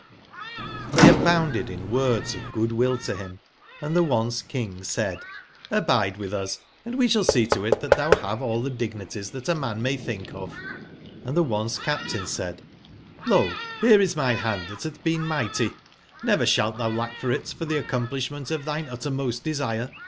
^^^RSY abounded in words of good /will to K^l him, & the once/king said : ''Hbide with us, l^^^ and we shall see to it that thou have all the dignities that a man may thinkof "jl^Hnd the once 128 captain said: ''Lo, bcrc is mine band that bath been migbty ; never sbalt tbou lack it for tbe accompUsb ment of tbine uttermost desire.